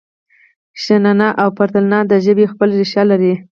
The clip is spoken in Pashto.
شننه او پرتلنه د ژبې خپل ریښه لري.